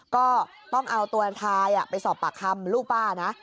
ก็ต้องเอาตัวทายไปสอบปากคำลูกป้านะ